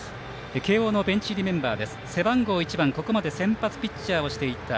慶応のベンチ入りメンバー。